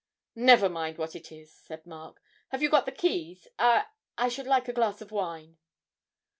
'Never mind what it is,' said Mark; 'have you got the keys? I I should like a glass of wine.'